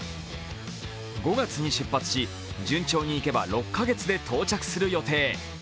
５月に出発し、順調にいけば６カ月で到着する予定。